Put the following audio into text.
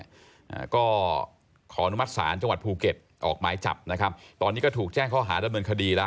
อ่าก็ขออนุมัติศาลจังหวัดภูเก็ตออกหมายจับนะครับตอนนี้ก็ถูกแจ้งข้อหาดำเนินคดีแล้ว